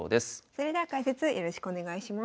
それでは解説よろしくお願いします。